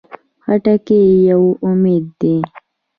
خټکی یو امید دی.